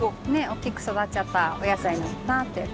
大きく育っちゃったお野菜なのかなって感じ。